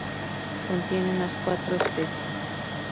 Contiene unas cuatro especies.